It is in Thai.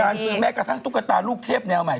ซื้อแม้กระทั่งตุ๊กตาลูกเทพแนวใหม่